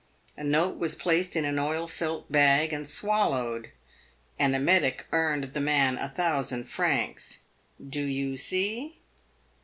A note was placed in an oil silk bag and swallowed. An emetic earned the man a thousand francs. Do you see?"